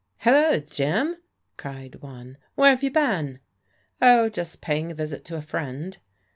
" Hello, Jim," cried one, " where have you been? '*" Oh, just paying a visit to a friend."